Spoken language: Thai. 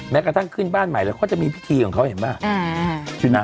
กระทั่งขึ้นบ้านใหม่แล้วเขาจะมีพิธีของเขาเห็นป่ะ